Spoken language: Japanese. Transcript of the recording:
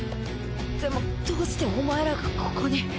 でもどうしてお前らがここに。